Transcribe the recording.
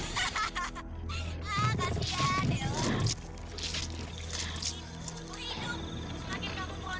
sekarang kita lihat siapa yang lebih pintar